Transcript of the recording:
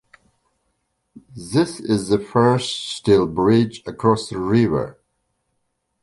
This is the first steel bridge across the river.